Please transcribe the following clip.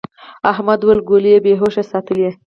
احمد وويل: گولۍ بې هوښه ساتلې.